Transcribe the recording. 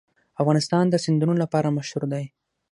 افغانستان د سیندونه لپاره مشهور دی.